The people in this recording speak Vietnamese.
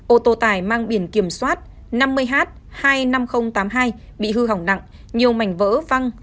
ô tô tải mang biển kiểm soát năm mươi h hai mươi năm nghìn tám mươi hai bị hư hỏng nặng nhiều mảnh vỡ văng